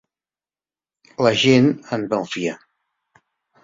La gent en malfia.